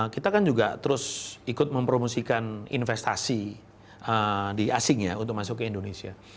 kita kan juga terus ikut mempromosikan investasi di asing ya untuk masuk ke indonesia